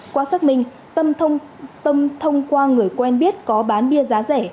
qua xác minh tâm thông qua người quen biết có bán bia giá rẻ